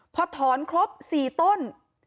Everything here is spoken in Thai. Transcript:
พอถอนครบ๔ต้น